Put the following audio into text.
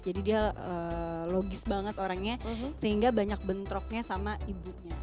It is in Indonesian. jadi dia logis banget orangnya sehingga banyak bentroknya sama ibunya